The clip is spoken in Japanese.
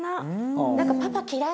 なんか「パパ嫌い！」